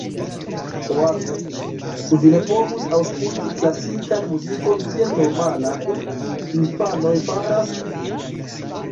Oazo: "Ĉu vi ne povus aŭskulti klasikan muzikon kiel normalaj infanoj faras?"